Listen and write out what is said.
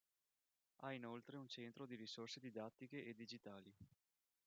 Ha inoltre un centro di risorse didattiche e digitali.